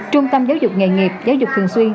trung tâm giáo dục nghề nghiệp giáo dục thường xuyên